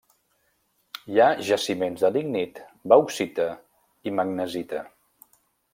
Hi ha jaciments de lignit, bauxita i magnesita.